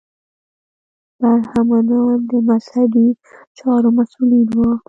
برهمنان د مذهبي چارو مسوولین وو.